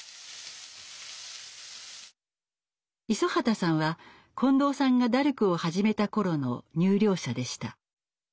五十畑さんは近藤さんがダルクを始めた頃の入寮者でした。